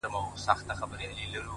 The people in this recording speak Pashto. تا ولې د وطن ځمکه لمده کړله په وينو”